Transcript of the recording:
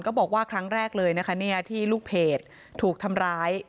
บอกว่าครั้งแรกเลยนะคะที่ลูกเพจถูกทำร้าย